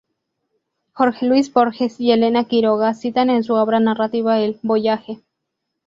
Jorge Luis Borges y Elena Quiroga citan en su obra narrativa el "Voyage".